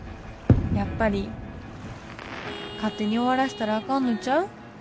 やっぱり勝手に終わらせたらあかんのんちゃう？